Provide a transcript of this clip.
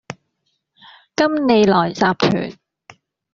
金利來集團